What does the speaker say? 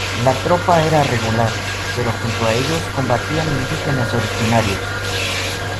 La tropa era regular pero junto a ellos combatían indígenas originarios.